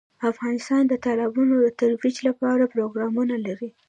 افغانستان د تالابونو د ترویج لپاره پروګرامونه لري.